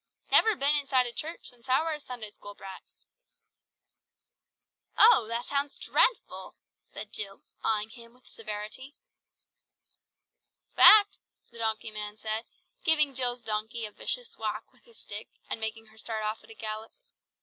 "Never been inside a church since I were a Sunday school brat." "Oh! that sounds dreadful!" said Jill, eyeing him with severity. "Fact!" said the donkey man, giving Jill's donkey a vicious whack with his stick, and making her start off at a gallop.